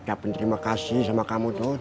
tiap penerima kasih sama kamu tuh